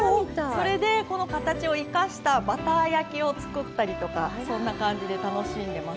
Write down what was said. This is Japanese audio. それでこの形を生かしたバター焼きを作ったりとかそんな感じで楽しんでます。